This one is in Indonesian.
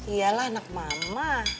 iya lah anak mama